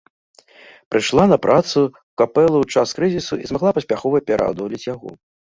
Прыйшла на працу ў капэлу ў час крызісу і змагла паспяхова пераадолець яго.